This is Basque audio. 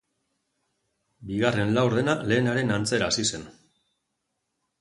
Bigarren laurdena lehenaren antzera hasi zen.